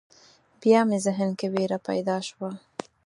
بیا مې ذهن کې وېره پیدا شوه.